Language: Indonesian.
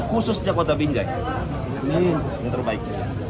khusus jakarta binjai ini yang terbaik